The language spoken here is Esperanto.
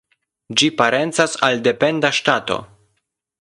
Ĝi parencas al dependa ŝtato.